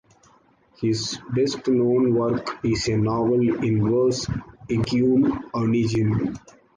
His best-known work is a novel in verse, "Eugene Onegin".